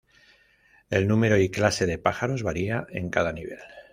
El número y clase de pájaros varía en cada nivel.